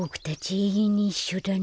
えいえんにいっしょだね。